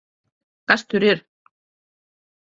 Kas tur ir?